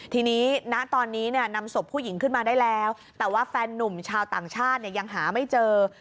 ทีนี้ณตอนนี้เนี่ยนำศพผู้หญิงขึ้นมาได้แล้วแต่ว่าแฟนนุ่มชาวต่างชาติเนี่ยยังหาไม่เจอ